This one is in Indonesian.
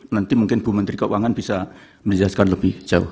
nanti mungkin bu menteri keuangan bisa menjelaskan lebih jauh